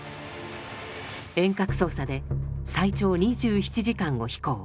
遠隔操作で最長２７時間を飛行。